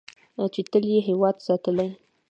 چې تل یې هیواد ساتلی.